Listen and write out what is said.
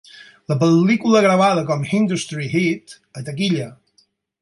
La pel·lícula gravada com "Industry Hit" a taquilla.